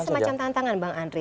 ini semacam tantangan bang andri